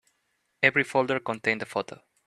Every folder contained a photo.